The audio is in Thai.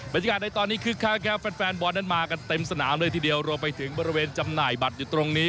ในตอนนี้คึกคักครับแฟนบอลนั้นมากันเต็มสนามเลยทีเดียวรวมไปถึงบริเวณจำหน่ายบัตรอยู่ตรงนี้